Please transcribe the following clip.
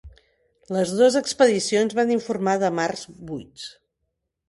Les dos expedicions van informar de mars buits.